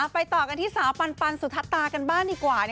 ไปต่อกันที่สาวปันสุทัศตากันบ้างดีกว่า